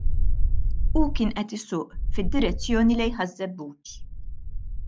Hu kien qed isuq fid-direzzjoni lejn Ħaż - Żebbuġ.